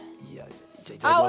じゃあいただきます。